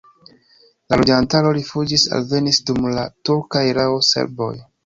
La loĝantaro rifuĝis, alvenis dum la turka erao serboj.